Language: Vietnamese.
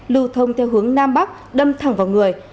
lưu thông theo hướng nam bắc đâm thẳng vào người